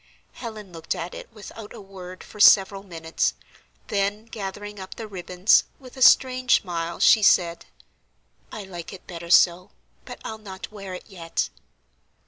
Helen looked at it without a word for several minutes, then gathering up the ribbons, with a strange smile, she said: "I like it better so; but I'll not wear it yet."